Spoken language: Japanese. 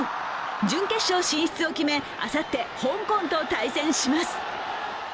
準決勝進出を決め、あさって香港と対戦します。